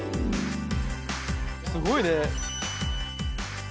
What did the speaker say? すごいね。